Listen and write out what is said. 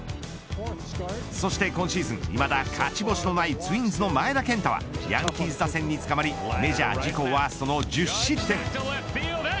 そして今シーズンいまだ勝ち星のないツインズの前田健太はヤンキース打線に捕まりメジャー自己ワーストの１０失点。